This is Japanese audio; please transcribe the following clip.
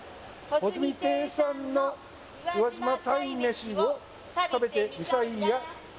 「ほづみ亭さんの宇和島鯛めしを食べてみさいや！」